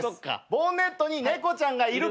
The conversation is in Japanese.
ボンネットに猫ちゃんがいる。